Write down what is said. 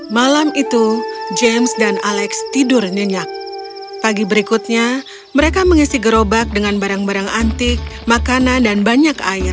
malam itu james dan alex tidur nyenyak pagi berikutnya mereka mengisi gerobak dengan barang barang antik makanan dan banyak air